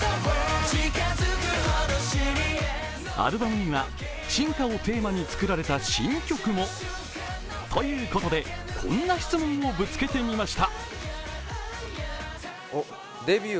アルバムには進化をテーマに作られた新曲も。ということでこんな質問をぶつけてみました。